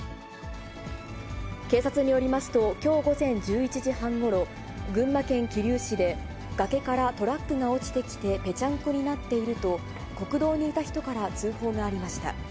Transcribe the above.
警察によりますと、きょう午前１１時半ごろ、群馬県桐生市で、崖からトラックが落ちてきて、ぺちゃんこになっていると、国道にいた人から通報がありました。